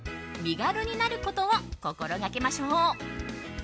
身軽になることを心がけましょう。